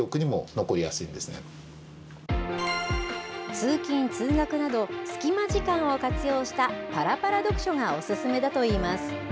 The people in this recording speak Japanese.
通勤・通学など、スキマ時間を活用したパラパラ読書がお勧めだといいます。